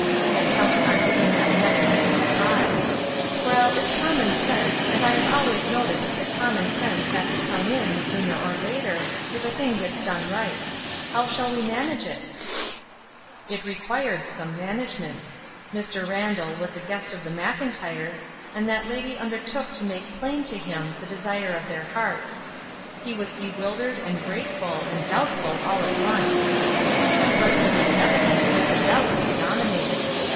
I had counted on giving that man a nice sur prise. Well, it's common sense, and I've always noticed that common sense has to come in, sooner or later, if a thing gets done right. How shall we manage it?" 384 ESTER RIED'S NAMESAKE It required some management. Mr. Randall was the guest of the Mclntyres, and that lady undertook to make plain to him the desire of their hearts. He was bewildered and grateful and doubtful all at once. At first it was evi dent that the doubts predominated.